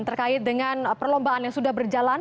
terkait dengan perlombaan yang sudah berjalan